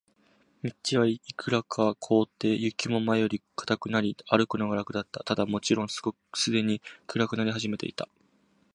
道はいくらか凍って、雪も前よりは固くなり、歩くのが楽だった。ただ、もちろんすでに暗くなり始めていた。